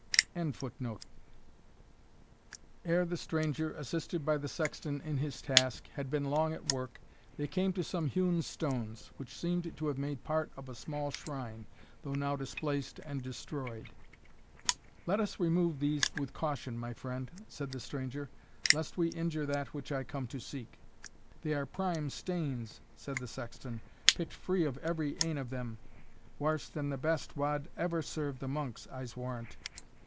] Ere the stranger, assisted by the sexton in his task, had been long at work, they came to some hewn stones, which seemed to have made part of a small shrine, though now displaced and destroyed. "Let us remove these with caution, my friend," said the stranger, "lest we injure that which I come to seek." "They are prime stanes," said the sexton, "picked free every ane of them; warse than the best wad never serve the monks, I'se warrant."